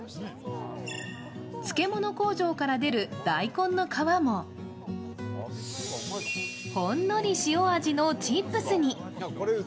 漬物工場から出る大根の皮もほんのり塩味のチップスに。